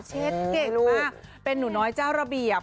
เช็ดเก่งมากเป็นหนูน้อยเจ้าระเบียบ